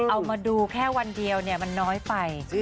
เอามาดูแค่วันเดียวเนี่ยมันน้อยไปจริง